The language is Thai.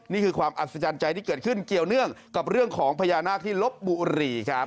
นี่คือความอัศจรรย์ใจที่เกิดขึ้นเกี่ยวเนื่องกับเรื่องของพญานาคที่ลบบุรีครับ